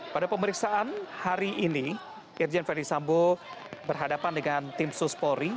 pada pemeriksaan hari ini irjen ferdisambo berhadapan dengan tim suspori